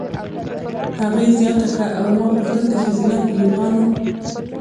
هغې زیاته کړه: "او ما غوښتل د ښځینه پیلوټانو.